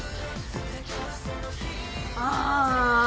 ああ。